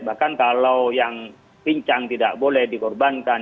bahkan kalau yang pincang tidak boleh dikorbankan